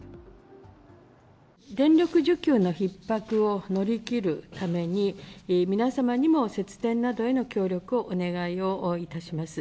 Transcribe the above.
電力需給のひっ迫を乗り切るために、皆様にも節電などへの協力をお願いをいたします。